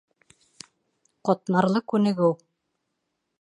Ҡатмарлы күнегеү